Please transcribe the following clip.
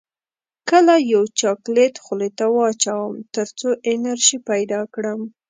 کله یو چاکلیټ خولې ته واچوم تر څو انرژي پیدا کړم